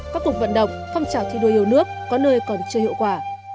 các cuộc vận động phong trào thi đua yêu nước có nơi còn chưa hiệu quả